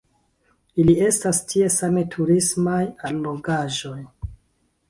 Ili estas tie same turismaj allogaĵoj.